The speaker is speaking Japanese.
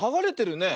ねえ。